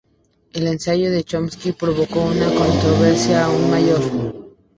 El ensayo de Chomsky provocó una controversia aún mayor.